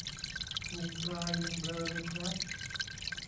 พุงปลายังเบลอเลยครับ